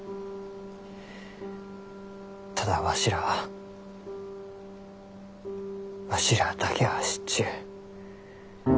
ただわしらはわしらあだけは知っちゅう。